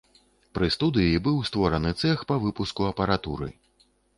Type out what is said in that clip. Пры студыі быў створаны цэх па выпуску апаратуры.